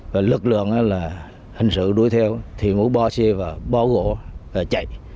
và lực lượng là hành sự đuối theo thì muốn bỏ xe vào bỏ gỗ chạy